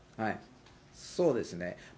そうですね。